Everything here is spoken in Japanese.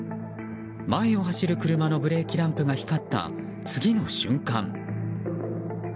前を走る車のブレーキランプが光った次の瞬間。